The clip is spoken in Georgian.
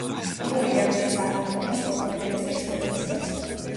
პირველი აქტი წარმოადგენს მოქმედების ექსპოზიციას.